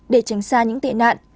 để tránh xa những tệ nạn